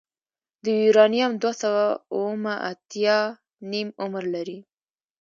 د یورانیم دوه سوه اوومه اتیا نیم عمر لري.